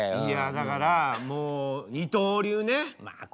いやだから二刀流ね。